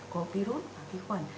của virus và vi khuẩn